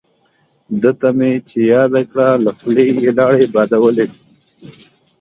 دته مې چې یاده کړه له خولې یې لاړې بادولې.